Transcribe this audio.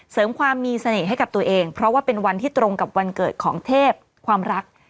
เสริมความมีเสน่ห์ให้กับตัวเองเพราะว่าเป็นวันที่ตรงกับวันเกิดของเทพความรัก